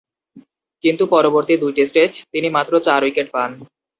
কিন্তু, পরবর্তী দুই টেস্টে তিনি মাত্র চার উইকেট পান।